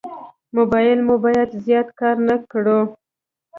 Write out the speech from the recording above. موبایل مو باید زیات کار نه کړو.